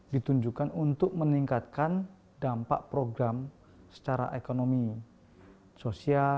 ditunjukkan untuk meningkatkan dampak program secara ekonomi sosial